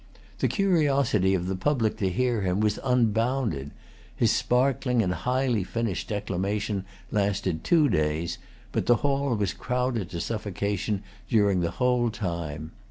The curiosity of the public to hear him was unbounded. His sparkling and highly finished declamation lasted two days; but the hall was crowded to suffocation during the whole time.